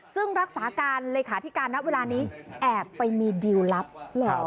ซึ่งรักษาการเลขาธิการณเวลานี้แอบไปมีดิวลลับเหรอ